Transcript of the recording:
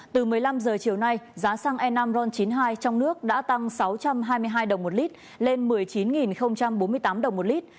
từ một mươi năm h chiều nay giá xăng e năm ron chín mươi hai trong nước đã tăng sáu trăm hai mươi hai đồng một lít lên một mươi chín bốn mươi tám đồng một lít